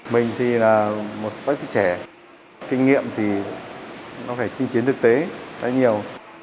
mình thì là một bác sĩ trẻ kinh nghiệm thì nó phải chinh chiến thực tế rất là nhiều